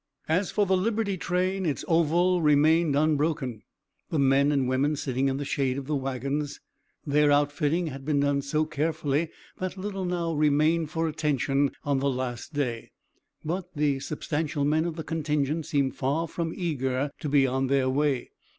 As for the Liberty train, its oval remained unbroken, the men and women sitting in the shade of the wagons. Their outfitting had been done so carefully that little now remained for attention on the last day, but the substantial men of the contingent seemed far from eager to be on their way.